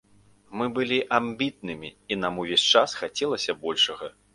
Мы былі амбітнымі, і нам увесь час хацелася большага.